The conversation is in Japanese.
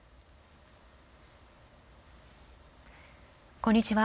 こんにちは。